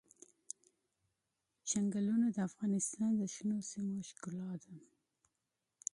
چنګلونه د افغانستان د شنو سیمو ښکلا ده.